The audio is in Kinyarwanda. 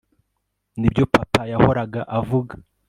nibyo papa yahoraga avuga